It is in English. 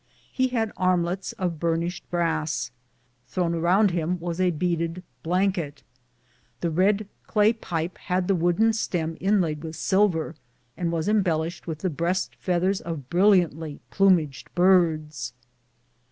He had armlets of burnished brass; thrown around him was a beaded blanket. The red clay pipe had the wooden stem inlaid with silver, and was embellished with the breast feathers of brilliantly plumaged birds.